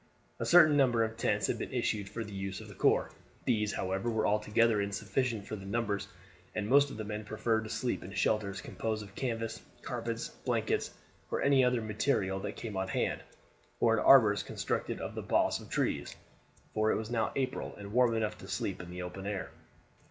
A certain number of tents had been issued for the use of the corps. These, however, were altogether insufficient for the numbers, and most of the men preferred to sleep in shelters composed of canvas, carpets, blankets, or any other material that came to hand, or in arbors constructed of the boughs of trees, for it was now April and warm enough to sleep in the open air.